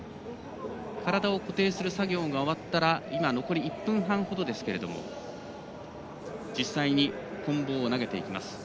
体を固定する作業が終わったら今残り１分半ほどですが実際にこん棒を投げていきます。